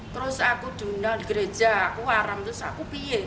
terus aku diundang di gereja aku haram terus aku piye